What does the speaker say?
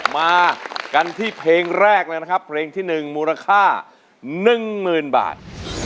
มากันที่เพลงแรกเลยนะครับเพลงที่๑มูลค่า๑๐๐๐บาท